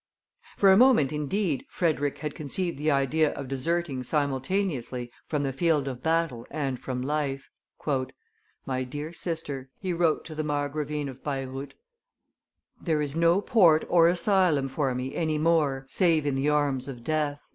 For a moment, indeed, Frederick had conceived the idea of deserting simultaneously from the field of battle and from life. "My dear sister," he wrote to the Margravine of Baireuth, "there is no port or asylum for me any more save in the arms of death."